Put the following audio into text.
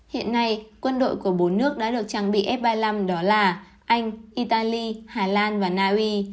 hiện nay quân đội của bốn nước đã được trang bị f ba mươi năm đó là anh italy hà lan và naui